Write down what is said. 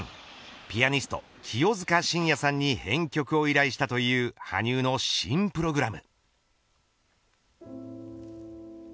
ピアニスト清塚信也さんに編曲を依頼したという羽生の新プログラム。